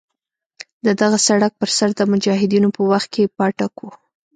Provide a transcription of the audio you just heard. د دغه سړک پر سر د مجاهدینو په وخت کې پاټک وو.